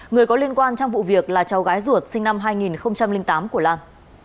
người có liên quan trong vụ việc là cháu gái ruột sinh năm hai nghìn tám của lan